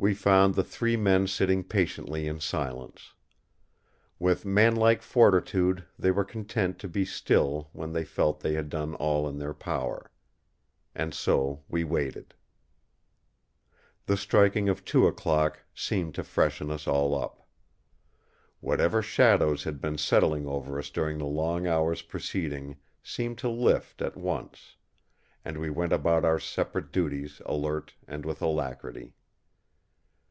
We found the three men sitting patiently in silence. With manlike fortitude they were content to be still when they felt they had done all in their power. And so we waited. The striking of two o'clock seemed to freshen us all up. Whatever shadows had been settling over us during the long hours preceding seemed to lift at once; and we went about our separate duties alert and with alacrity.